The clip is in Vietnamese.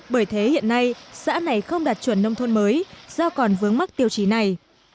bởi thế hiện nay xã này không đạt chuẩn nông thôn mới do còn vướng mắc tiêu chí này